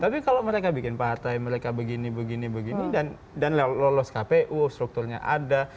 tapi kalau mereka bikin partai mereka begini begini dan lolos kpu strukturnya ada